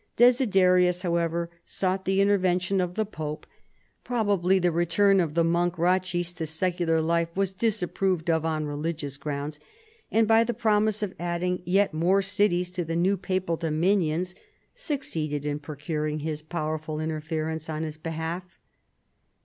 Desider ius, however, sought the intervention of the pope — probably the return of the monk Ratchis to secular life was disapproved of on religious grounds — and by the promise of adding yet more cities to the new papal dominions succeeded in procuring his powerful interference on his behalf.